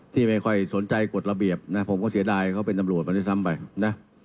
ที่ไม่ค่อยสนใจกฎระเบียบนะผมก็เสียดายเขาเป็นตำรวจมาด้วยซ้ำไปนะ